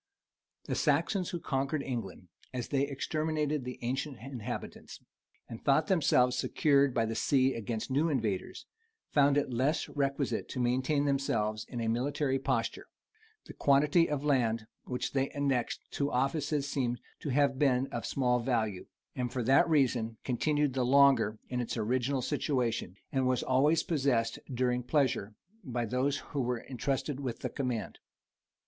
[*] The Saxons who conquered England, as they exterminated the ancient inhabitants, and thought themselves secured by the sea against new invaders, found it less requisite to maintain themselves in a military posture: the quantity of land which they annexed to offices seems to have been of small value; and for that reason continued the longer in its original situation, and was always possessed during pleasure by those who were intrusted with the command.